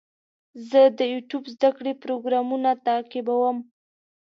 زه د یوټیوب زده کړې پروګرامونه تعقیبوم.